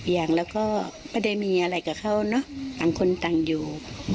อย่างแล้วก็ไม่ได้มีอะไรกับเขาเนอะต่างคนต่างอยู่